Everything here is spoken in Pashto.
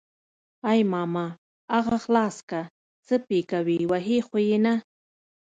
ای ماما اغه خلاص که څه پې کوي وهي خو يې نه.